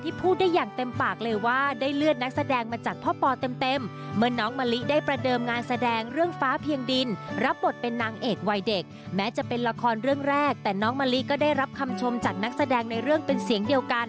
ที่พูดได้อย่างเต็มปากเลยว่า